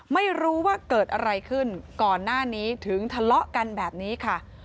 ไม่รู้ว่าเกิดอะไรขึ้นก่อนหน้านี้ถึงทะเลาะกันแบบนี้ค่ะ